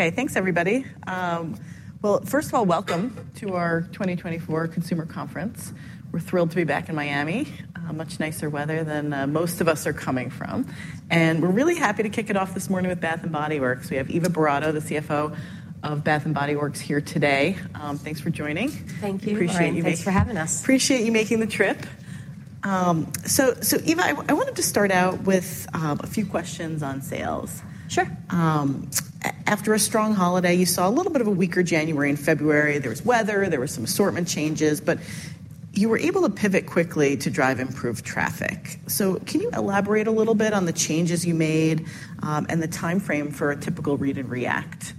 Okay, thanks, everybody. Well, first of all, welcome to our 2024 Consumer Conference. We're thrilled to be back in Miami. Much nicer weather than most of us are coming from, and we're really happy to kick it off this morning with Bath & Body Works. We have Eva Boratto, the CFO of Bath & Body Works, here today. Thanks for joining. Thank you. Appreciate you- Thanks for having us. Appreciate you making the trip. So, Eva, I wanted to start out with a few questions on sales. Sure. After a strong holiday, you saw a little bit of a weaker January and February. There was weather, there were some assortment changes, but you were able to pivot quickly to drive improved traffic. So can you elaborate a little bit on the changes you made, and the timeframe for a typical read and react?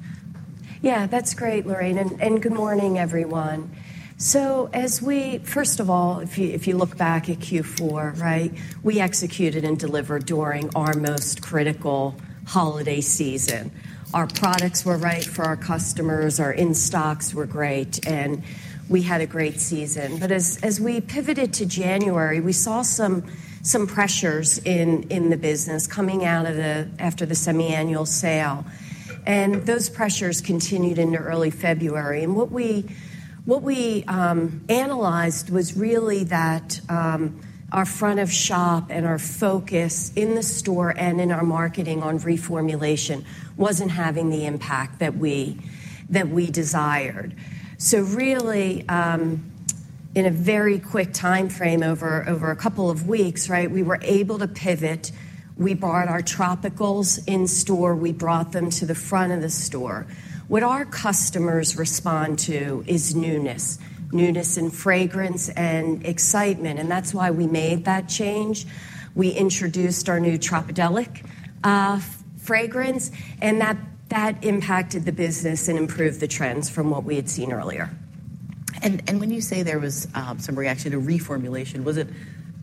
Yeah, that's great, Lorraine, and good morning, everyone. First of all, if you look back at Q4, right? We executed and delivered during our most critical holiday season. Our products were right for our customers, our in-stocks were great, and we had a great season. But as we pivoted to January, we saw some pressures in the business coming out of after the Semi-Annual Sale, and those pressures continued into early February. And what we analyzed was really that our front of shop and our focus in the store and in our marketing on reformulation wasn't having the impact that we desired. So really, in a very quick timeframe, over a couple of weeks, right, we were able to pivot. We brought our tropicals in store. We brought them to the front of the store. What our customers respond to is newness, newness in fragrance and excitement, and that's why we made that change. We introduced our new Tropidelic fragrance, and that impacted the business and improved the trends from what we had seen earlier. And when you say there was some reaction to reformulation, was it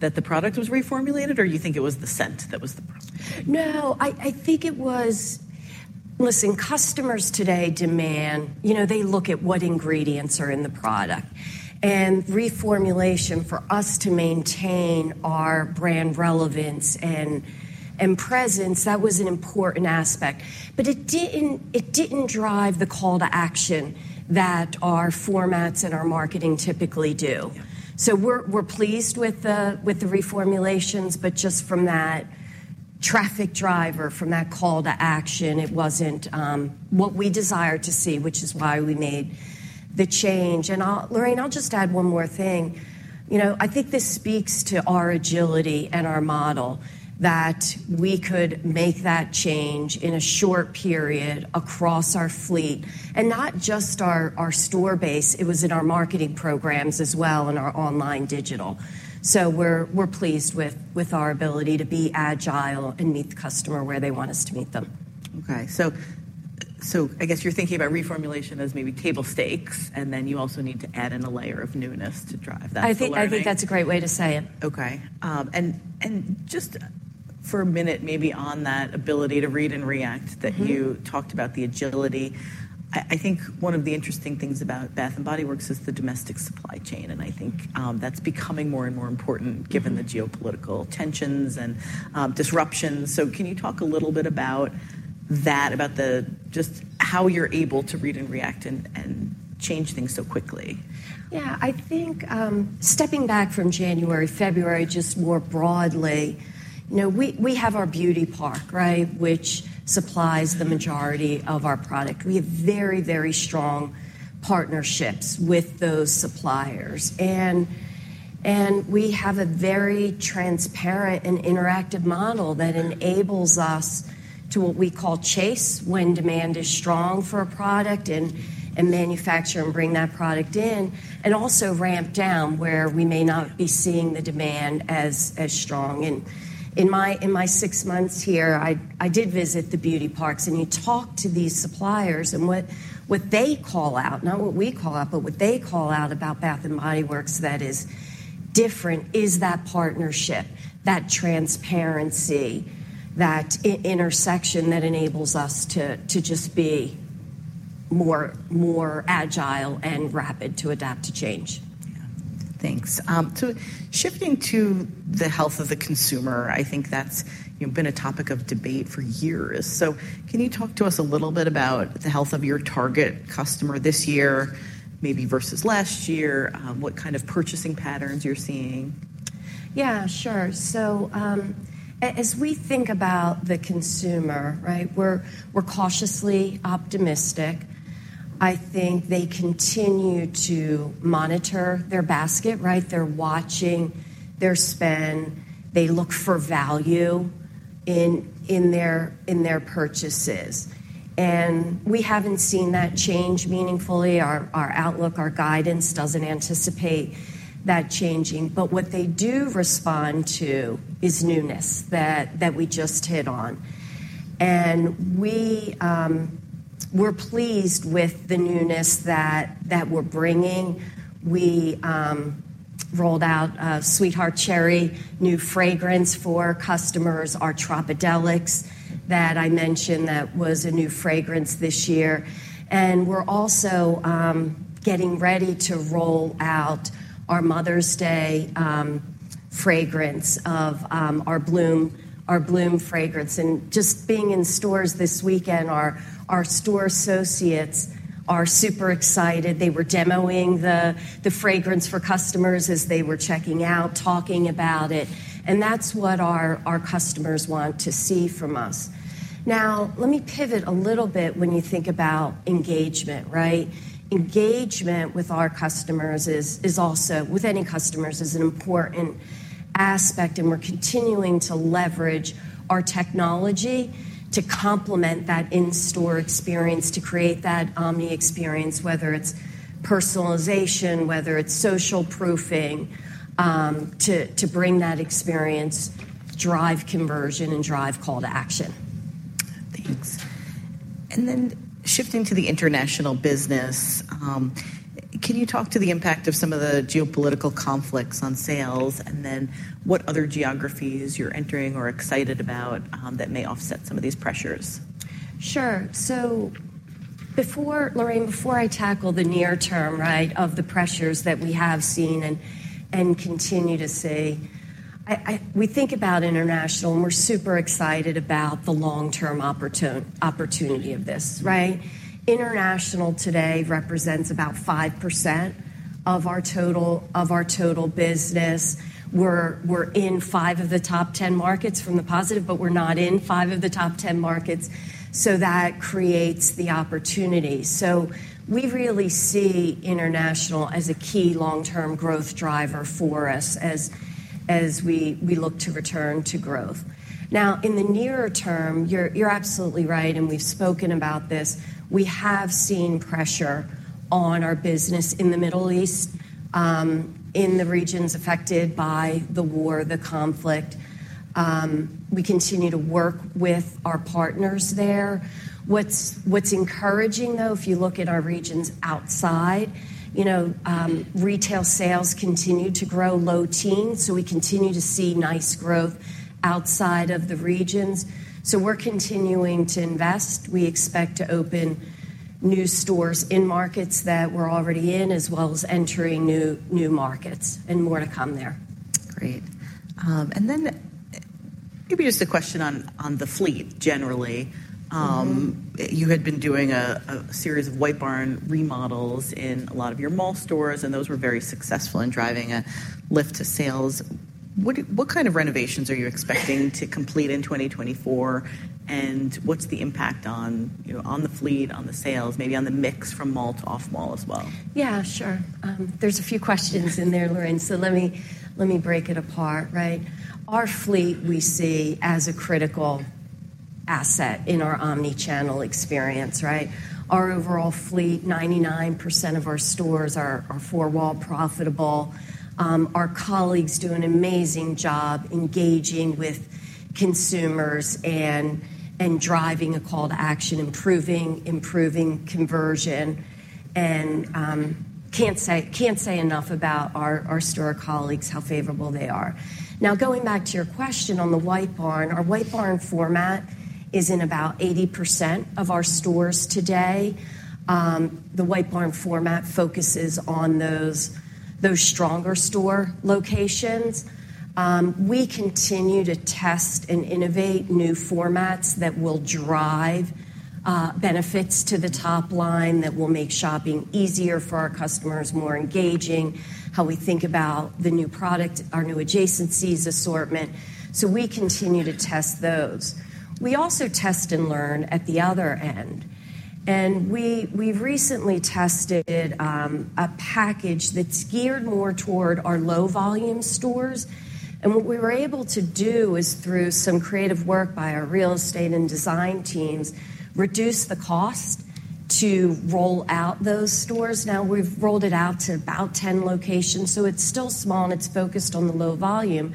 that the product was reformulated, or you think it was the scent that was the problem? No, I think it was... Listen, customers today demand, you know, they look at what ingredients are in the product, and reformulation, for us to maintain our brand relevance and presence, that was an important aspect. But it didn't drive the call to action that our formats and our marketing typically do. Yeah. So we're pleased with the reformulations, but just from that traffic driver, from that call to action, it wasn't what we desired to see, which is why we made the change. And I'll, Lorraine, I'll just add one more thing. You know, I think this speaks to our agility and our model, that we could make that change in a short period across our fleet, and not just our store base, it was in our marketing programs as well and our online digital. So we're pleased with our ability to be agile and meet the customer where they want us to meet them. Okay, so, so I guess you're thinking about reformulation as maybe table stakes, and then you also need to add in a layer of newness to drive that- I think- Lorraine? I think that's a great way to say it. Okay. And just for a minute, maybe on that ability to read and react- Mm-hmm. -that you talked about, the agility, I think one of the interesting things about Bath & Body Works is the domestic supply chain, and I think that's becoming more and more important- Mm-hmm. Given the geopolitical tensions and disruptions. So can you talk a little bit about that, about the, just how you're able to read and react and change things so quickly? Yeah, I think, stepping back from January, February, just more broadly, you know, we have our Beauty Park, right? Which supplies the majority of our product. We have very, very strong partnerships with those suppliers, and we have a very transparent and interactive model that enables us to, what we call, chase when demand is strong for a product and manufacture and bring that product in, and also ramp down where we may not be seeing the demand as strong. In my six months here, I did visit the Beauty Park, and you talk to these suppliers, and what they call out, not what we call out, but what they call out about Bath & Body Works that is different is that partnership, that transparency, that intersection that enables us to just be more agile and rapid to adapt to change. Yeah. Thanks. So shifting to the health of the consumer, I think that's, you know, been a topic of debate for years. So can you talk to us a little bit about the health of your target customer this year, maybe versus last year? What kind of purchasing patterns you're seeing? Yeah, sure. So, as we think about the consumer, right, we're cautiously optimistic. I think they continue to monitor their basket, right? They're watching their spend. They look for value in their purchases, and we haven't seen that change meaningfully. Our outlook, our guidance doesn't anticipate that changing. But what they do respond to is newness, that we just hit on, and we're pleased with the newness that we're bringing. We rolled out a Sweetheart Cherry new fragrance for customers, our Tropidelic that I mentioned. That was a new fragrance this year. We're also getting ready to roll out our Mother's Day fragrance, our Bloom fragrance. And just being in stores this weekend, our store associates are super excited. They were demoing the fragrance for customers as they were checking out, talking about it, and that's what our customers want to see from us. Now, let me pivot a little bit when you think about engagement, right? Engagement with our customers is also with any customers is an important aspect, and we're continuing to leverage our technology to complement that in-store experience, to create that omni experience, whether it's personalization, whether it's social proofing, to bring that experience, drive conversion, and drive call to action. Thanks. And then shifting to the international business, can you talk to the impact of some of the geopolitical conflicts on sales, and then what other geographies you're entering or excited about, that may offset some of these pressures? Sure. So before, Lorraine, before I tackle the near term, right, of the pressures that we have seen and continue to see, we think about international, and we're super excited about the long-term opportunity of this, right? International today represents about 5% of our total business. We're in five of the top 10 markets from the positive, but we're not in five of the top 10 markets, so that creates the opportunity. So we really see international as a key long-term growth driver for us as we look to return to growth. Now, in the nearer term, you're absolutely right, and we've spoken about this. We have seen pressure on our business in the Middle East, in the regions affected by the war, the conflict. We continue to work with our partners there. What's encouraging, though, if you look at our regions outside, you know, retail sales continue to grow low teens, so we continue to see nice growth outside of the regions. So we're continuing to invest. We expect to open new stores in markets that we're already in, as well as entering new markets, and more to come there. Great. And then maybe just a question on the fleet, generally. Mm-hmm. You had been doing a series of White Barn remodels in a lot of your mall stores, and those were very successful in driving a lift to sales. What kind of renovations are you expecting to complete in 2024? And what's the impact on, you know, on the fleet, on the sales, maybe on the mix from mall to off-mall as well? Yeah, sure. There's a few questions in there, Lorraine, so let me break it apart, right? Our fleet, we see as a critical asset in our omnichannel experience, right? Our overall fleet, 99% of our stores are four-wall profitable. Our colleagues do an amazing job engaging with consumers and driving a call to action, improving conversion, and can't say enough about our store colleagues, how favorable they are. Now, going back to your question on the White Barn, our White Barn format is in about 80% of our stores today. The White Barn format focuses on those stronger store locations. We continue to test and innovate new formats that will drive benefits to the top line, that will make shopping easier for our customers, more engaging, how we think about the new product, our new adjacencies, assortment. So we continue to test those. We also test and learn at the other end, and we've recently tested a package that's geared more toward our low-volume stores. And what we were able to do is, through some creative work by our real estate and design teams, reduce the cost to roll out those stores. Now, we've rolled it out to about 10 locations, so it's still small, and it's focused on the low volume.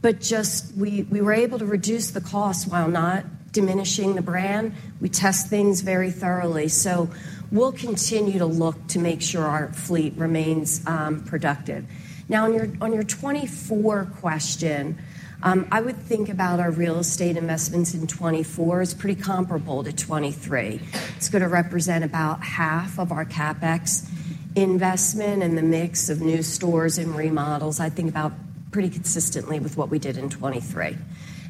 But just we were able to reduce the cost while not diminishing the brand. We test things very thoroughly, so we'll continue to look to make sure our fleet remains productive. Now, on your 2024 question, I would think about our real estate investments in 2024 as pretty comparable to 2023. It's going to represent about half of our CapEx investment and the mix of new stores and remodels, I think about pretty consistently with what we did in 2023.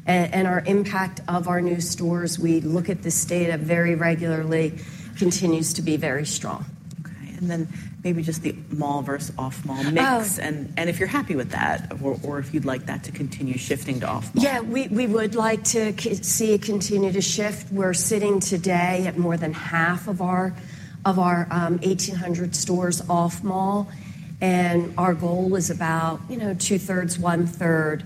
And our impact of our new stores, we look at this data very regularly, continues to be very strong. Okay. And then maybe just the mall versus off-mall mix- Oh. And if you're happy with that, or if you'd like that to continue shifting to off-mall? Yeah, we would like to see it continue to shift. We're sitting today at more than half of our 1,800 stores off-mall, and our goal is about, you know, 2/3, 1/3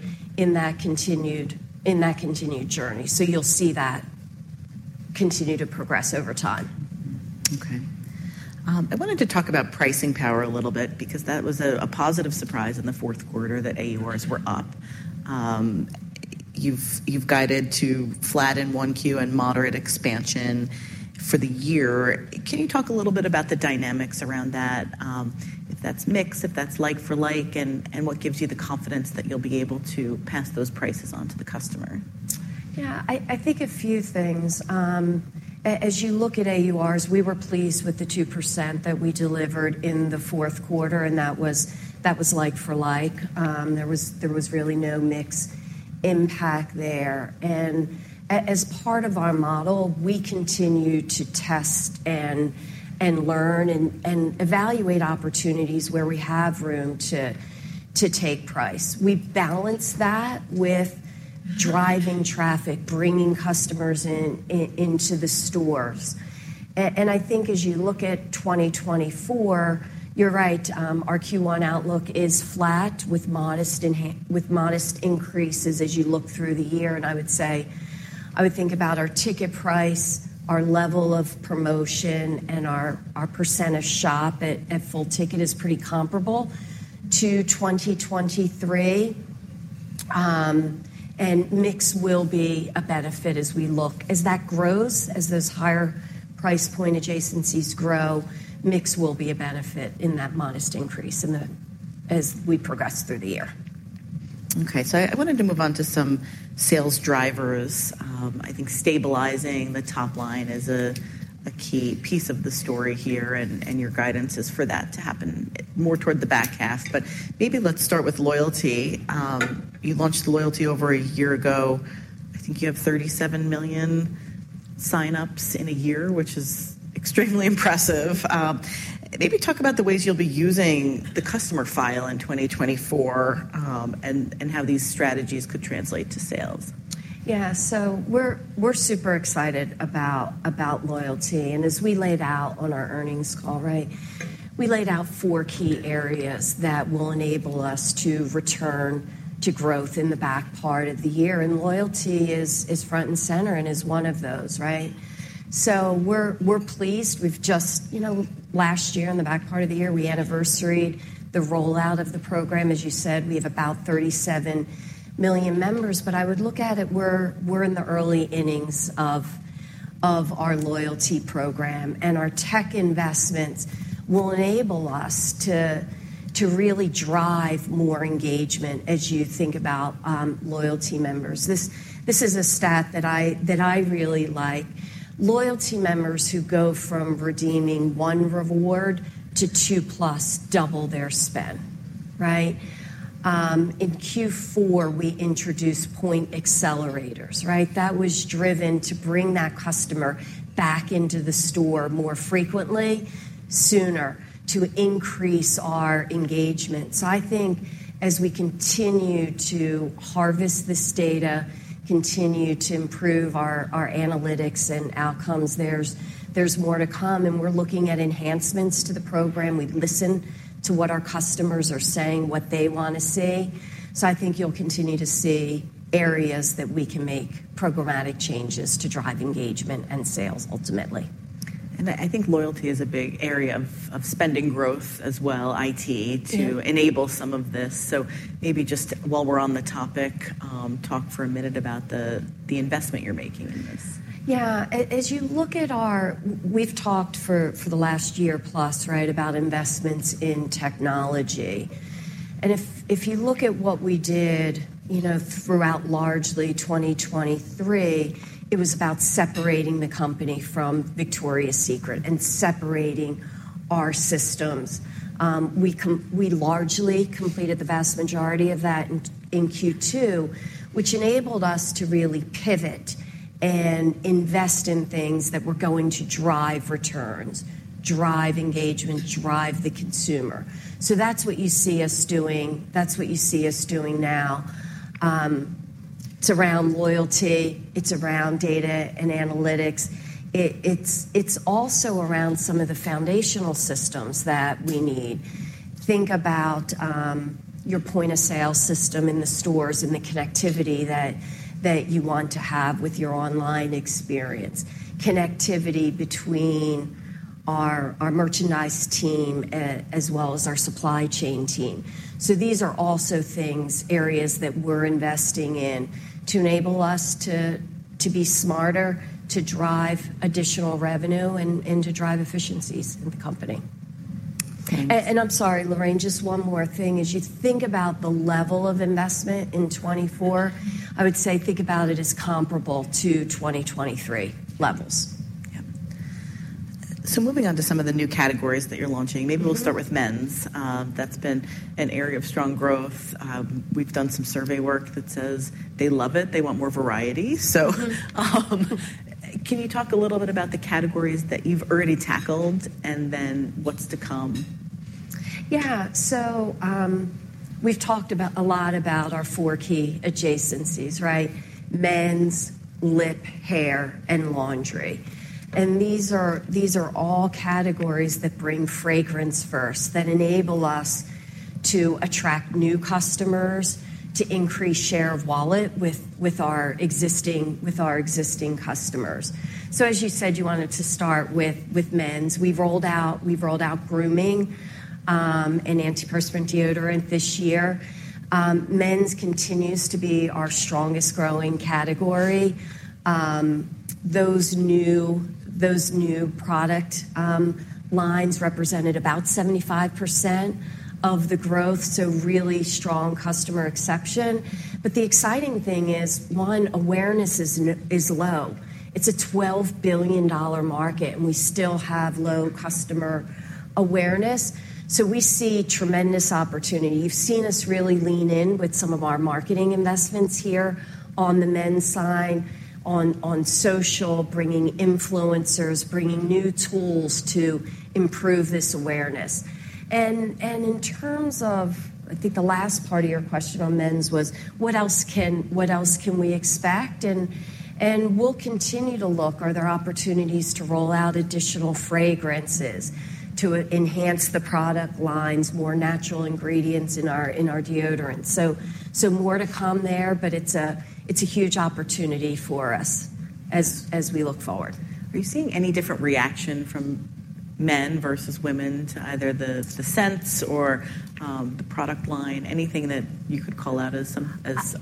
in that continued journey. So you'll see that continue to progress over time. Okay. I wanted to talk about pricing power a little bit because that was a, a positive surprise in the fourth quarter, that AURs were up. You've, you've guided to flat in 1Q and moderate expansion for the year. Can you talk a little bit about the dynamics around that? If that's mix, if that's like for like, and, and what gives you the confidence that you'll be able to pass those prices on to the customer? Yeah, I think a few things. As you look at AURs, we were pleased with the 2% that we delivered in the fourth quarter, and that was like for like. There was really no mix impact there. As part of our model, we continue to test and learn and evaluate opportunities where we have room to take price. We balance that with driving traffic, bringing customers in, into the stores. And I think as you look at 2024, you're right, our Q1 outlook is flat, with modest increases as you look through the year. And I would say, I would think about our ticket price, our level of promotion, and our percent of shop at full ticket is pretty comparable to 2023. Mix will be a benefit as we look. As that grows, as those higher price point adjacencies grow, mix will be a benefit in that modest increase in the—as we progress through the year. Okay, so I wanted to move on to some sales drivers. I think stabilizing the top line is a key piece of the story here, and your guidance is for that to happen more toward the back half. But maybe let's start with loyalty. You launched loyalty over a year ago. I think you have 37 million signups in a year, which is extremely impressive. Maybe talk about the ways you'll be using the customer file in 2024, and how these strategies could translate to sales. Yeah. So we're, we're super excited about, about loyalty. And as we laid out on our earnings call, right, we laid out four key areas that will enable us to return to growth in the back part of the year, and loyalty is, is front and center and is one of those, right? So we're, we're pleased. We've just, you know, last year, in the back part of the year, we anniversaried the rollout of the program. As you said, we have about 37 million members, but I would look at it, we're, we're in the early innings of, of our loyalty program, and our tech investments will enable us to, to really drive more engagement as you think about, loyalty members. This, this is a stat that I, that I really like: Loyalty members who go from redeeming one reward to two plus double their spend, right? In Q4, we introduced point accelerators, right? That was driven to bring that customer back into the store more frequently, sooner, to increase our engagement. So I think as we continue to harvest this data, continue to improve our analytics and outcomes, there's more to come, and we're looking at enhancements to the program. We've listened to what our customers are saying, what they want to see. So I think you'll continue to see areas that we can make programmatic changes to drive engagement and sales ultimately. And I think loyalty is a big area of spending growth as well, IT- Yeah - to enable some of this. So maybe just while we're on the topic, talk for a minute about the investment you're making in this. Yeah. As you look at our... We've talked for the last year plus, right, about investments in technology. And if you look at what we did, you know, throughout largely 2023, it was about separating the company from Victoria's Secret and separating our systems. We largely completed the vast majority of that in Q2, which enabled us to really pivot and invest in things that were going to drive returns, drive engagement, drive the consumer. So that's what you see us doing. That's what you see us doing now. It's around loyalty, it's around data and analytics. It's also around some of the foundational systems that we need. Think about your point-of-sale system in the stores and the connectivity that you want to have with your online experience, connectivity between our merchandise team as well as our supply chain team. So these are also things, areas that we're investing in to enable us to be smarter, to drive additional revenue, and to drive efficiencies in the company. Thanks. I'm sorry, Lorraine, just one more thing. As you think about the level of investment in 2024, I would say think about it as comparable to 2023 levels. Yeah. Moving on to some of the new categories that you're launching. Mm-hmm. Maybe we'll start with men's. That's been an area of strong growth. We've done some survey work that says they love it, they want more variety. So, can you talk a little bit about the categories that you've already tackled, and then what's to come? Yeah. So, we've talked about a lot about our four key adjacencies, right? Men's, lip, hair, and laundry. And these are, these are all categories that bring fragrance first, that enable us to attract new customers, to increase share of wallet with, with our existing, with our existing customers. So as you said, you wanted to start with, with men's. We've rolled out, we've rolled out grooming, and antiperspirant deodorant this year. Men's continues to be our strongest growing category. Those new, those new product lines represented about 75% of the growth, so really strong customer acceptance. But the exciting thing is, one, awareness is low. It's a $12 billion market, and we still have low customer awareness, so we see tremendous opportunity. You've seen us really lean in with some of our marketing investments here on the men's side, on social, bringing influencers, bringing new tools to improve this awareness. And in terms of, I think the last part of your question on men's was: what else can we expect? And we'll continue to look. Are there opportunities to roll out additional fragrances to enhance the product lines, more natural ingredients in our deodorants? So more to come there, but it's a huge opportunity for us as we look forward. Are you seeing any different reaction from men versus women to either the scents or the product line? Anything that you could call out as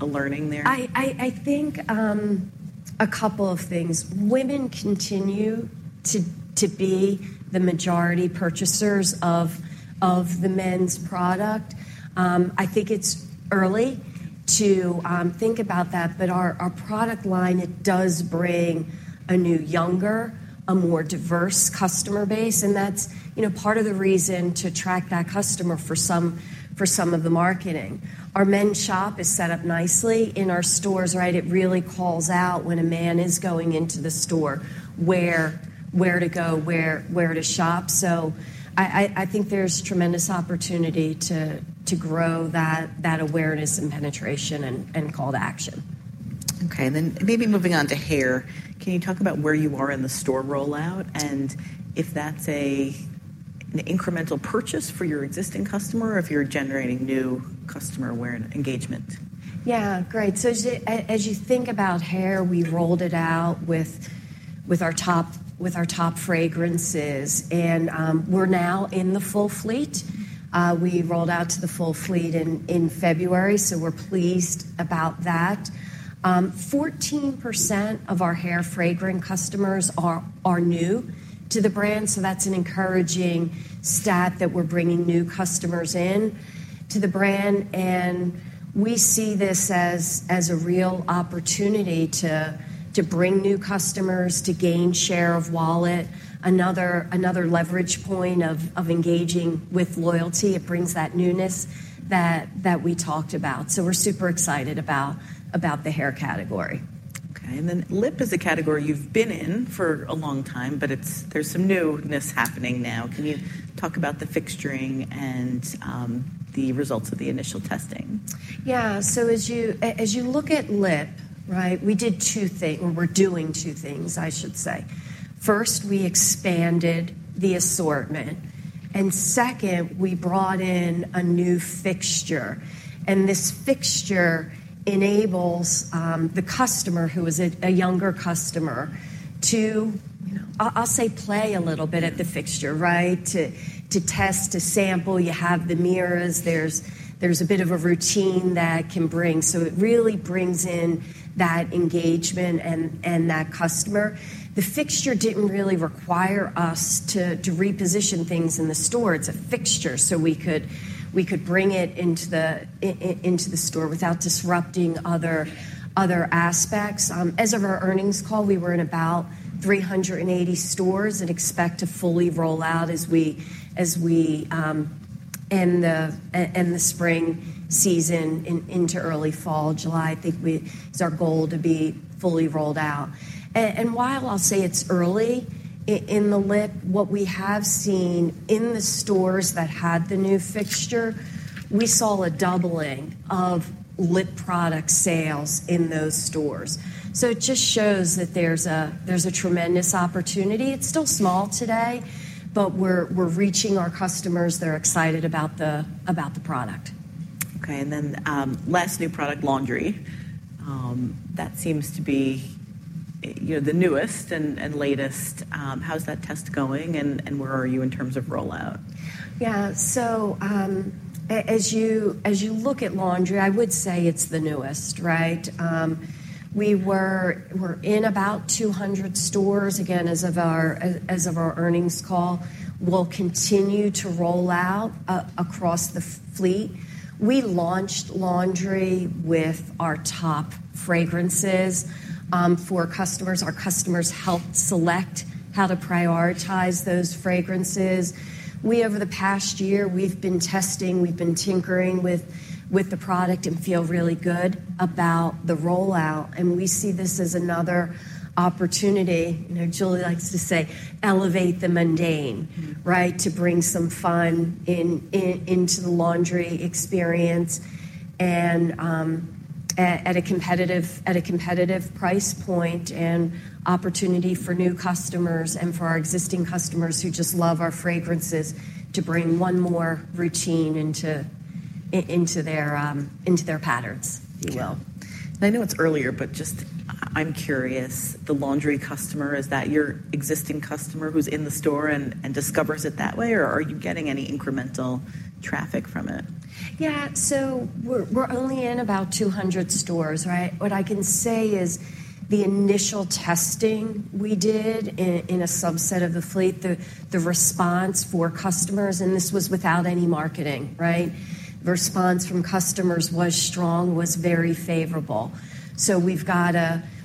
a learning there? I think a couple of things. Women continue to be the majority purchasers of the men's product. I think it's early to think about that, but our product line does bring a new, younger, more diverse customer base, and that's, you know, part of the reason to attract that customer for some of the marketing. Our Men's Shop is set up nicely in our stores, right? It really calls out when a man is going into the store, where to go, where to shop. So I think there's tremendous opportunity to grow that awareness and penetration and call to action. Okay, and then maybe moving on to hair, can you talk about where you are in the store rollout, and if that's an incremental purchase for your existing customer, or if you're generating new customer awareness engagement? Yeah, great. So as you think about hair, we rolled it out with our top fragrances, and we're now in the full fleet. We rolled out to the full fleet in February, so we're pleased about that. 14% of our hair fragrancing customers are new to the brand, so that's an encouraging stat that we're bringing new customers in to the brand, and we see this as a real opportunity to bring new customers, to gain share of wallet. Another leverage point of engaging with loyalty. It brings that newness that we talked about. So we're super excited about the hair category. Okay, and then lip is a category you've been in for a long time, but it's—there's some newness happening now. Can you talk about the fixturing and the results of the initial testing? Yeah. So as you look at lip, right, we did two things, well, we're doing two things, I should say. First, we expanded the assortment, and second, we brought in a new fixture, and this fixture enables the customer, who is a younger customer, to, I'll say, play a little bit at the fixture, right? To test, to sample. You have the mirrors. There's a bit of a routine that it can bring. So it really brings in that engagement and that customer. The fixture didn't really require us to reposition things in the store. It's a fixture, so we could bring it into the store without disrupting other aspects. As of our earnings call, we were at about 380 stores and expect to fully roll out as we end the spring season into early fall, July, I think, it's our goal to be fully rolled out. And while I'll say it's early in the lip, what we have seen in the stores that had the new fixture, we saw a doubling of lip product sales in those stores. So it just shows that there's a tremendous opportunity. It's still small today, but we're reaching our customers that are excited about the product. Okay, and then last new product, laundry. That seems to be, you know, the newest and latest. How's that test going, and where are you in terms of rollout? Yeah. So, as you look at laundry, I would say it's the newest, right? We're in about 200 stores, again, as of our earnings call. We'll continue to roll out across the fleet. We launched laundry with our top fragrances for customers. Our customers helped select how to prioritize those fragrances. Over the past year, we've been testing, we've been tinkering with the product and feel really good about the rollout, and we see this as another opportunity. You know, Julie likes to say, "Elevate the mundane," right? To bring some fun into the laundry experience and... at a competitive price point and opportunity for new customers and for our existing customers who just love our fragrances, to bring one more routine into their patterns, if you will. I know it's earlier, but just, I'm curious, the laundry customer, is that your existing customer who's in the store and discovers it that way, or are you getting any incremental traffic from it? Yeah. We're only in about 200 stores, right? What I can say is the initial testing we did in a subset of the fleet, the response for customers, and this was without any marketing, right? The response from customers was strong, was very favorable.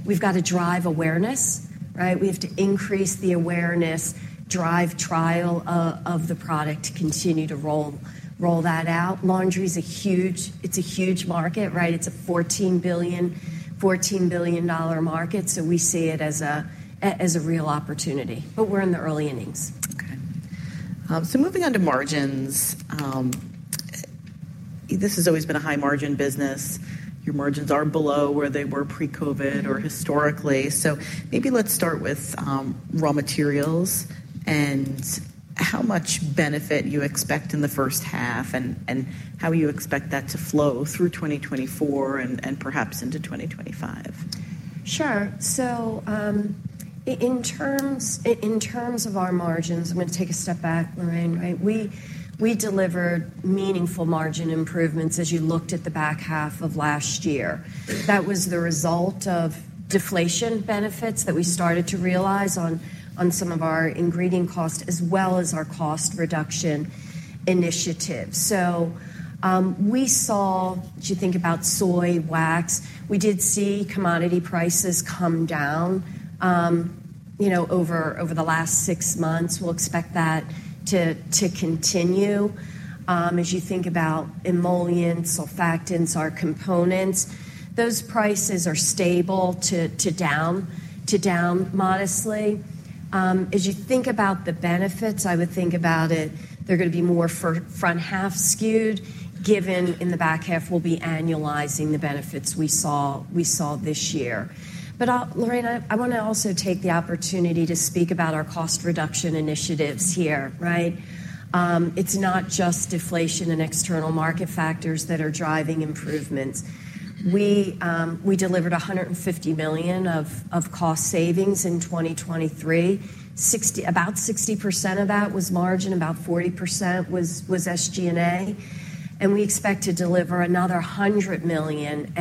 We've got to drive awareness, right? We have to increase the awareness, drive trial of the product to continue to roll that out. Laundry is a huge market, right? It's a $14 billion market, so we see it as a real opportunity, but we're in the early innings. Okay. So moving on to margins. This has always been a high-margin business. Your margins are below where they were pre-COVID or historically. So maybe let's start with raw materials and how much benefit you expect in the first half and how you expect that to flow through 2024 and perhaps into 2025. Sure. So, in terms of our margins, I'm going to take a step back, Lorraine, right? We delivered meaningful margin improvements as you looked at the back half of last year. That was the result of deflation benefits that we started to realize on some of our ingredient costs, as well as our cost reduction initiatives. So, we saw, as you think about soy wax, we did see commodity prices come down, you know, over the last six months. We'll expect that to continue. As you think about emollient, surfactants, our components, those prices are stable to down modestly. As you think about the benefits, I would think about it, they're going to be more for front-half skewed, given in the back half, we'll be annualizing the benefits we saw this year. But, Lorraine, I want to also take the opportunity to speak about our cost reduction initiatives here, right? It's not just deflation and external market factors that are driving improvements. We delivered $150 million of cost savings in 2023. About 60% of that was margin, about 40% was SG&A, and we expect to deliver another $100 million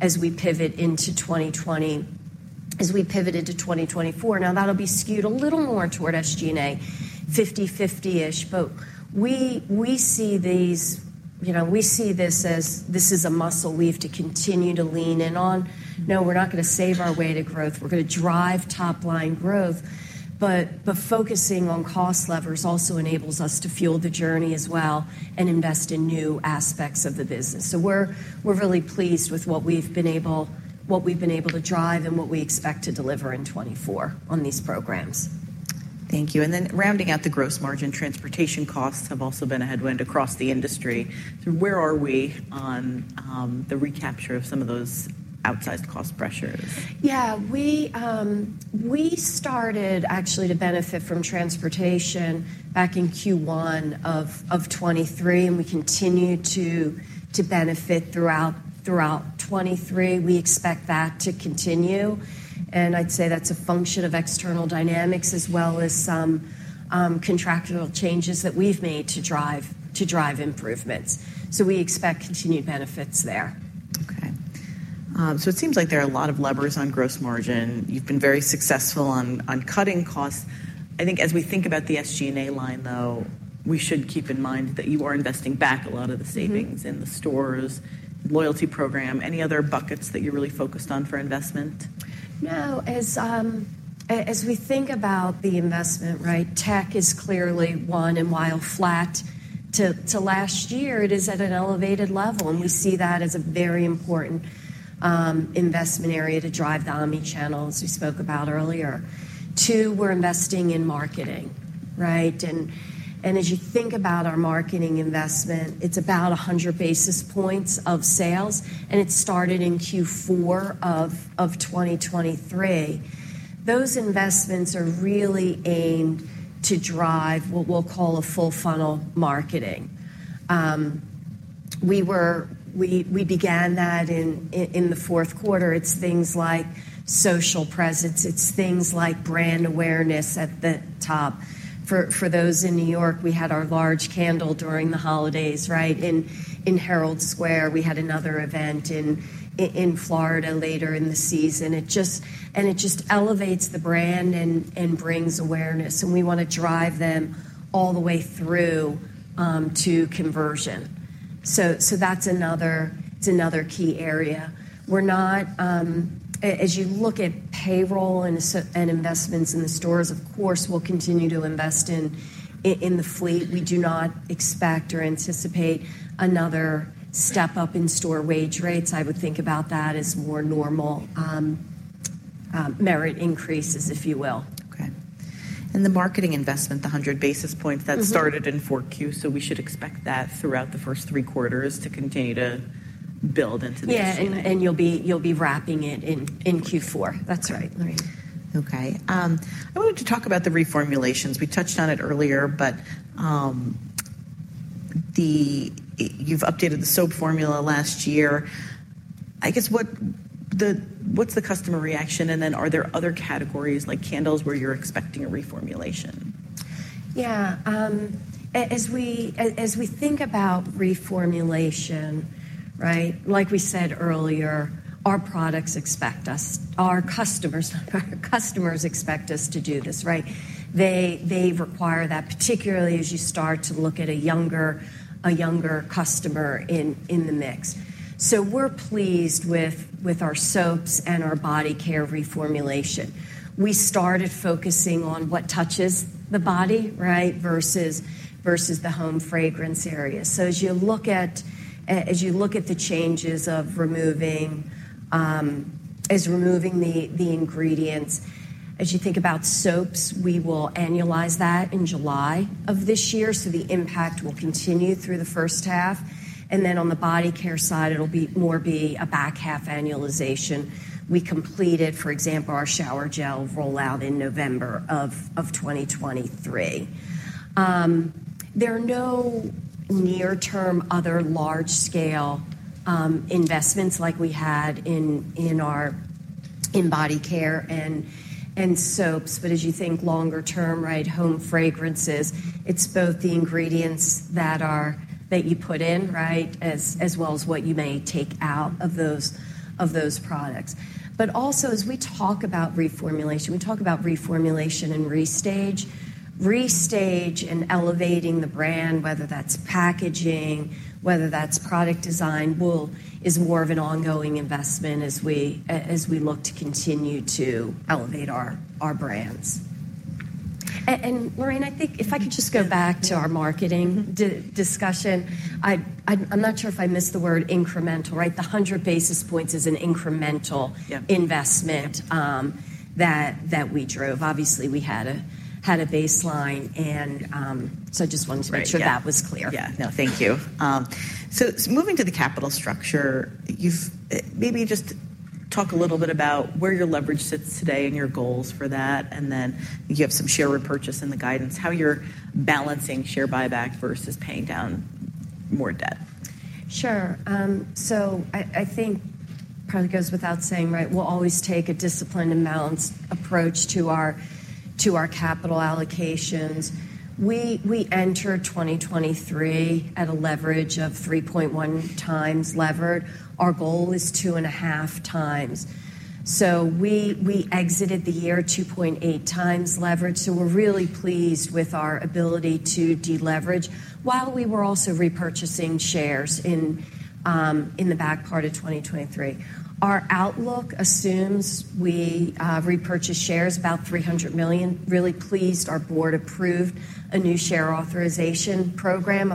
as we pivot into 2024. Now, that'll be skewed a little more toward SG&A, 50/50-ish, but we see these... You know, we see this as this is a muscle we have to continue to lean in on. No, we're not going to save our way to growth. We're going to drive top-line growth, but focusing on cost levers also enables us to fuel the journey as well and invest in new aspects of the business. So we're really pleased with what we've been able to drive and what we expect to deliver in 2024 on these programs. Thank you. And then rounding out the gross margin, transportation costs have also been a headwind across the industry. So where are we on the recapture of some of those outsized cost pressures? Yeah, we started actually to benefit from transportation back in Q1 of 2023, and we continued to benefit throughout 2023. We expect that to continue, and I'd say that's a function of external dynamics as well as some contractual changes that we've made to drive improvements. So we expect continued benefits there. Okay. So it seems like there are a lot of levers on gross margin. You've been very successful on cutting costs. I think as we think about the SG&A line, though, we should keep in mind that you are investing back a lot of the savings- Mm-hmm. in the stores, loyalty program. Any other buckets that you're really focused on for investment? No. As we think about the investment, right, tech is clearly one, and while flat to last year, it is at an elevated level, and we see that as a very important investment area to drive the omnichannel, as we spoke about earlier. two, we're investing in marketing, right? And as you think about our marketing investment, it's about 100 basis points of sales, and it started in Q4 of 2023. Those investments are really aimed to drive what we'll call a full-funnel marketing. We began that in the fourth quarter. It's things like social presence. It's things like brand awareness at the top. For those in New York, we had our large candle during the holidays, right? In Herald Square, we had another event in Florida later in the season. It just and it just elevates the brand and brings awareness, and we want to drive them all the way through to conversion. So that's another. It's another key area. We're not. As you look at payroll and so, and investments in the stores, of course, we'll continue to invest in the fleet. We do not expect or anticipate another step up in store wage rates. I would think about that as more normal merit increases, if you will. Okay. And the marketing investment, the 100 basis points- Mm-hmm. that started in Q4, so we should expect that throughout the first three quarters to continue to build into this? Yeah, and you'll be wrapping it in Q4. That's right. Right. Okay. I wanted to talk about the reformulations. We touched on it earlier, but, you've updated the soap formula last year. I guess, what's the customer reaction? And then are there other categories like candles, where you're expecting a reformulation? Yeah. As we think about reformulation, right, like we said earlier, our customers expect us to do this, right? They require that, particularly as you start to look at a younger customer in the mix. So we're pleased with our soaps and our body care reformulation. We started focusing on what touches the body, right, versus the home fragrance area. So as you look at the changes of removing the ingredients, as you think about soaps, we will annualize that in July of this year, so the impact will continue through the first half. And then on the body care side, it'll be more a back-half annualization. We completed, for example, our shower gel rollout in November of 2023. There are no near-term other large-scale investments like we had in our body care and soaps. But as you think longer term, right, home fragrances, it's both the ingredients that you put in, right, as well as what you may take out of those products. But also, as we talk about reformulation and restage. Restage and elevating the brand, whether that's packaging, whether that's product design, is more of an ongoing investment as we look to continue to elevate our brands. And Lorraine, I think if I could just go back to our marketing- Mm-hmm. Discussion. I'm not sure if I missed the word incremental, right? The 100 basis points is an incremental- Yeah. -investment that we drove. Obviously, we had a baseline, and so I just wanted to make sure- Right. Yeah. that was clear. Yeah. No, thank you. So moving to the capital structure, you've maybe just talk a little bit about where your leverage sits today and your goals for that, and then you have some share repurchase in the guidance, how you're balancing share buyback versus paying down more debt. Sure. So I think probably goes without saying, right, we'll always take a disciplined and balanced approach to our capital allocations. We entered 2023 at a leverage of 3.1x levered. Our goal is 2.5x. So we exited the year 2.8x leverage, so we're really pleased with our ability to deleverage, while we were also repurchasing shares in the back part of 2023. Our outlook assumes we repurchase shares about $300 million. Really pleased our board approved a new share authorization program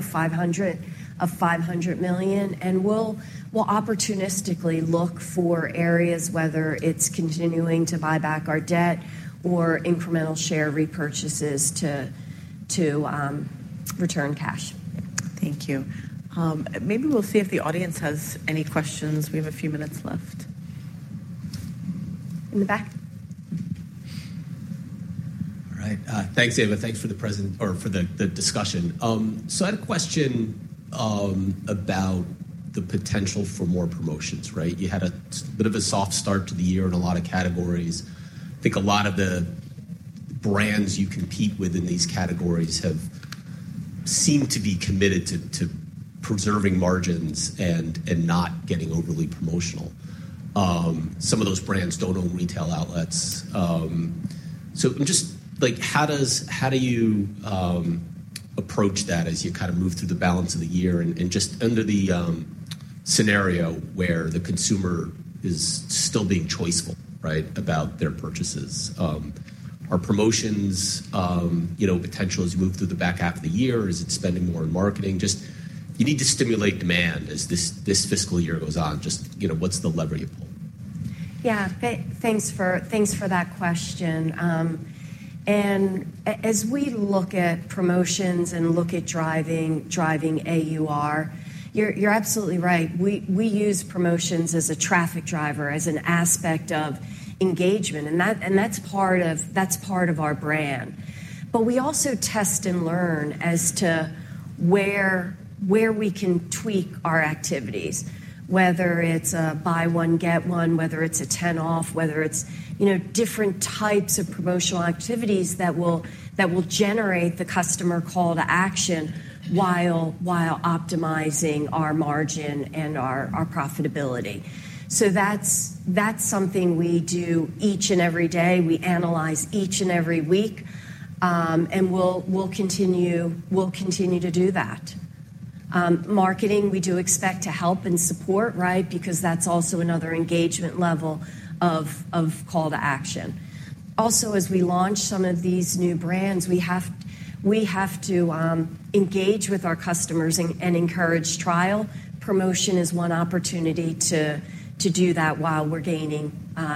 of $500 million, and we'll opportunistically look for areas, whether it's continuing to buy back our debt or incremental share repurchases, to return cash. Thank you. Maybe we'll see if the audience has any questions. We have a few minutes left. In the back. All right. Thanks, Eva. Thanks for the presentation or for the discussion. So I had a question about the potential for more promotions, right? You had a bit of a soft start to the year in a lot of categories. I think a lot of the brands you compete with in these categories seem to be committed to preserving margins and not getting overly promotional. Some of those brands don't own retail outlets. So just like, how do you approach that as you kind of move through the balance of the year and just under the scenario where the consumer is still being choiceful, right, about their purchases? Are promotions, you know, potential as you move through the back half of the year? Is it spending more in marketing? Just, you need to stimulate demand as this fiscal year goes on. Just, you know, what's the lever you pull? Yeah. Thanks for that question. As we look at promotions and look at driving AUR, you're absolutely right. We use promotions as a traffic driver, as an aspect of engagement, and that's part of our brand. But we also test and learn as to where we can tweak our activities, whether it's a buy one get one, whether it's a $10 off, whether it's, you know, different types of promotional activities that will generate the customer call to action while optimizing our margin and our profitability. So that's something we do each and every day. We analyze each and every week, and we'll continue to do that. Marketing, we do expect to help and support, right? Because that's also another engagement level of call to action. Also, as we launch some of these new brands, we have to engage with our customers and encourage trial. Promotion is one opportunity to do that while we're gaining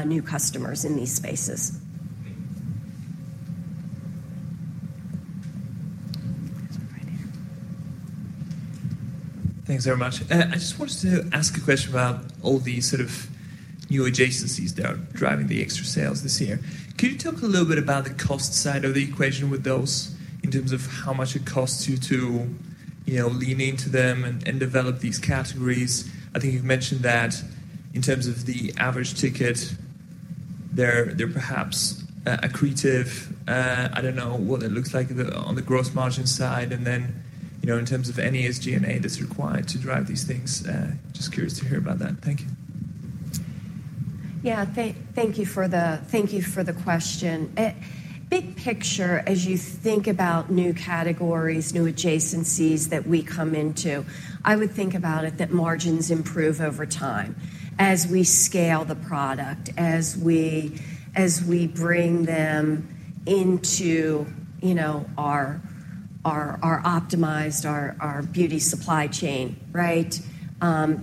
new customers in these spaces.... Thanks very much. I just wanted to ask a question about all the sort of new adjacencies that are driving the extra sales this year. Can you talk a little bit about the cost side of the equation with those, in terms of how much it costs you to, you know, lean into them and develop these categories? I think you've mentioned that in terms of the average ticket, they're perhaps accretive. I don't know what it looks like on the gross margin side, and then, you know, in terms of any SG&A that's required to drive these things. Just curious to hear about that. Thank you. Yeah, thank you for the question. Big picture, as you think about new categories, new adjacencies that we come into, I would think about it that margins improve over time as we scale the product, as we bring them into, you know, our optimized beauty supply chain, right?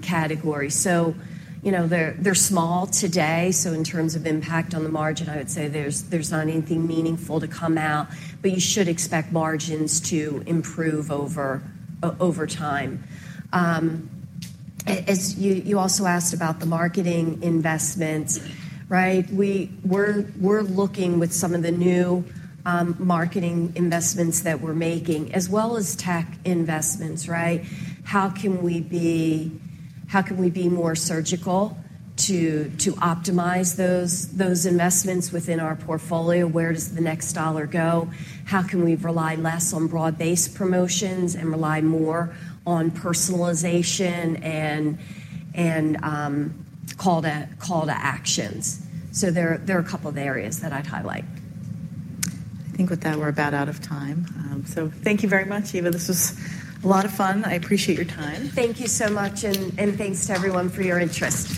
Category. So, you know, they're small today, so in terms of impact on the margin, I would say there's not anything meaningful to come out, but you should expect margins to improve over time. As you also asked about the marketing investments, right? We're looking with some of the new marketing investments that we're making, as well as tech investments, right? How can we be more surgical to optimize those investments within our portfolio? Where does the next dollar go? How can we rely less on broad-based promotions and rely more on personalization and call to actions? So there are a couple of areas that I'd highlight. I think with that, we're about out of time. So thank you very much, Eva. This was a lot of fun. I appreciate your time. Thank you so much, and thanks to everyone for your interest.